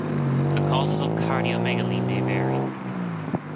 The causes of cardiomegaly may vary.